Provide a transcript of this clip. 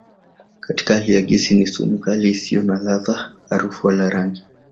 Katika hali ya gesi ni sumu kali isiyo na ladha, harufu wala rangi.